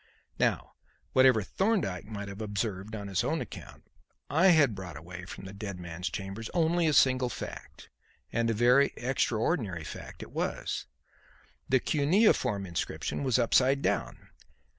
Now, whatever Thorndyke might have observed on his own account, I had brought away from the dead man's chambers only a single fact; and a very extraordinary fact it was. The cuneiform inscription was upside down.